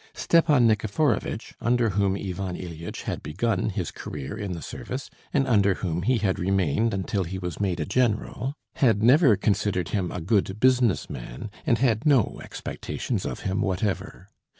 Stepan Nikiforovitch, under whom Ivan Ilyitch had begun his career in the service, and under whom he had remained until he was made a general, had never considered him a good business man and had no expectations of him whatever.